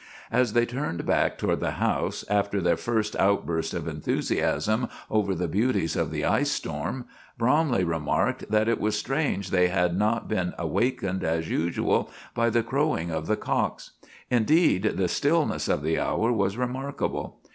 As they turned back toward the house, after their first outburst of enthusiasm over the beauties of the ice storm, Bromley remarked that it was strange they had not been awakened as usual by the crowing of the cocks. Indeed, the stillness of the hour was remarkable.